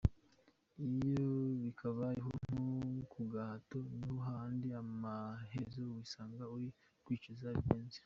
Iyo bikubayeho nko kugahato ni ho hahandi amaherezo wisanga uri kwicuza birenze.